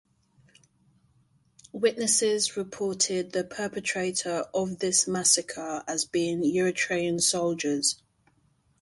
Witnesses reported the perpetrators of this massacre as being Eritrean soldiers.